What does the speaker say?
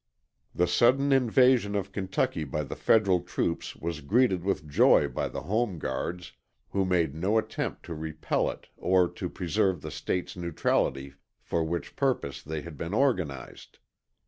The sudden invasion of Kentucky by the federal troops was greeted with joy by the Home Guards, who made no attempt to repel it or to preserve the State's neutrality for which purpose they had been organized.